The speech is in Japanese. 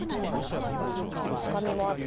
赤みもあって。